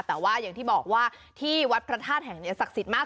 แต่ว่าอย่างที่บอกว่าที่วัดพระธาตุแห่งนี้ศักดิ์สิทธิ์มาก